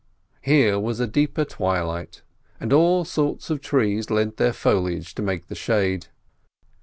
Here was a deeper twilight, and all sorts of trees lent their foliage to make the shade.